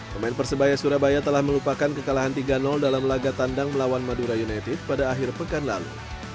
pemain persebaya surabaya telah melupakan kekalahan tiga dalam laga tandang melawan madura united pada akhir pekan lalu